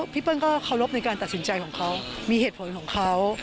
เปิ้ลก็เคารพในการตัดสินใจของเขามีเหตุผลของเขา